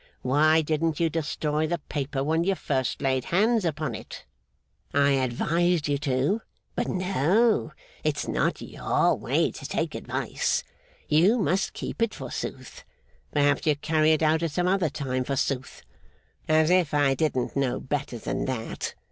Why didn't you destroy the paper when you first laid hands upon it? I advised you to; but no, it's not your way to take advice. You must keep it forsooth. Perhaps you may carry it out at some other time, forsooth. As if I didn't know better than that!